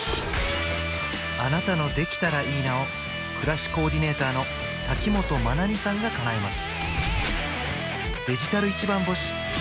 あなたの「できたらいいな」を暮らしコーディネーターの瀧本真奈美さんがかなえます